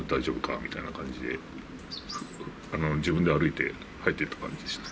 みたいな感じで、自分で歩いて帰っていった感じですね。